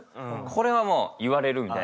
これはもう言われるみたいな。